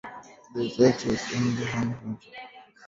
The result was the only hung council in Greater London.